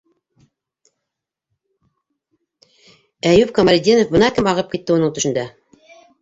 Әйүп Камалетдинов - бына кем ағып китте уның төшөндә!